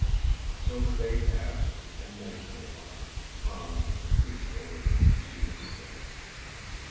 So the day passed, and night came on, calm and peaceful as the preceding had been.